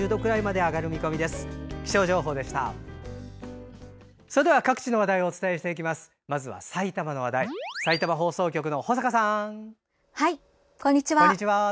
では、各地の話題をお伝えしていきます。